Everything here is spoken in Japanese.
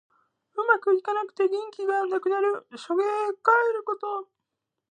うまくいかなくて元気がなくなる。しょげかえること。